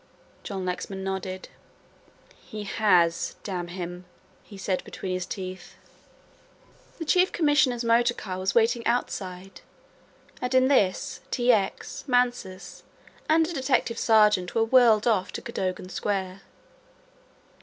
John Lexman nodded. "He has, damn him," he said between his teeth. The Chief Commissioner's motor car was waiting outside and in this T. X., Mansus, and a detective sergeant were whirled off to Cadogan Square.